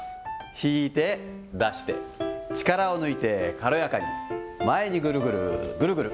引いて、出して、力を抜いて、軽やかに、前にぐるぐる、ぐるぐる。